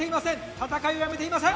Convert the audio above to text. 戦いをやめていません。